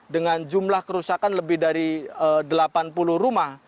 dengan jumlah kerusakan lebih dari delapan puluh rumah